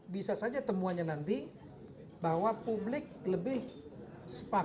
pokoknya kecuali pilihan yang lebih baik untuk setiap daerah